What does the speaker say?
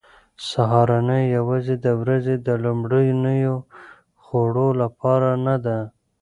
سهارنۍ یوازې د ورځې د لومړنیو خوړو لپاره نه ده.